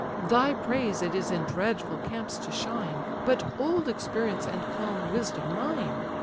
Thy praise it is in dreadful camps to shine, But old experience and calm wisdom mine.